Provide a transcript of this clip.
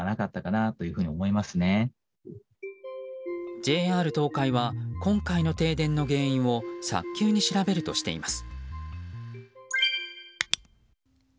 ＪＲ東海は今回の停電の原因を早急に調べるとしています。